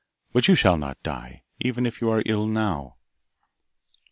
But you shall not die, even if you are ill now.